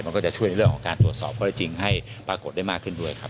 มันก็จะช่วยในเรื่องของการตรวจสอบข้อได้จริงให้ปรากฏได้มากขึ้นด้วยครับ